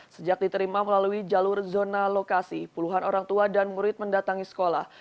sejak diterima melalui jalur zona lokasi puluhan orang tua dan murid mendatangi sekolah